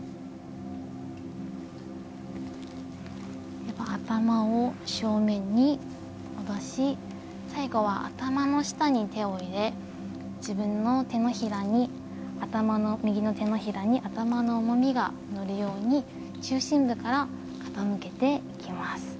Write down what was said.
では、頭を正面に戻し最後は頭の下に手を入れ自分の手のひらに頭の重みが乗るように中心部から傾けていきます。